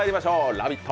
「ラヴィット！」